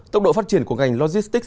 tốc độ phát triển của ngành logistic